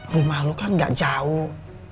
rumah lo kan gak jauh